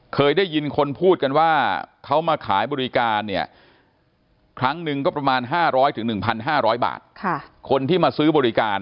เคยได้ยินคนพูดกันว่าเค้ามาขายบริการเนี่ย